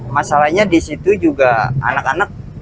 masalahnya disitu juga anak anak